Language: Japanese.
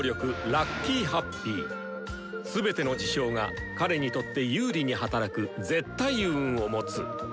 家系能力全ての事象が彼にとって有利に働く「絶対運」を持つ。